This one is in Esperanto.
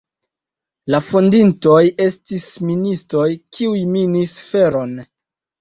La fondintoj estis ministoj, kiuj minis feron.